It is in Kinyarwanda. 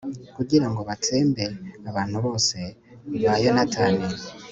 kugira ngo batsembe abantu bose ba yonatani